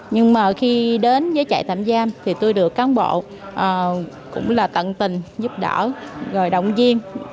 nhưng mà khi đến với trại tạm giam thì tôi được cán bộ cũng là tận tình giúp đỡ rồi động viên